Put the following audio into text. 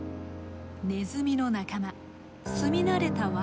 ネズミの仲間住み慣れた藁